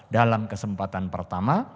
dalam kesempatan pertama